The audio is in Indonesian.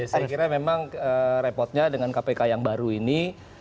saya kira memang repotnya dengan kpk yang baru ini